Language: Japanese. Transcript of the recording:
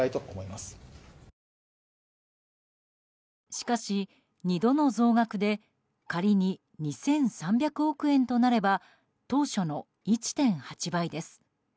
しかし２度の増額で仮に２３００億円となれば当初の１．８倍です。